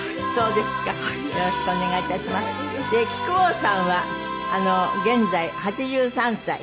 で木久扇さんは現在８３歳。